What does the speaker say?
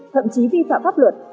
thậm chí vi phạm pháp luật